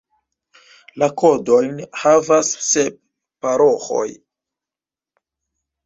La kodojn havas sep paroĥoj.